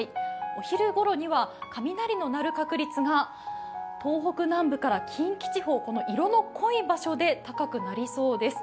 お昼頃には雷の鳴る確率が東北南部から近畿地方、この色の濃い場所で高くなりそうです。